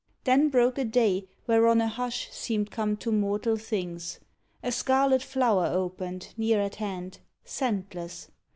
Then broke a day Whereon a hush seemed come to mortal things. A scarlet flower opened, near at hand. Scentless.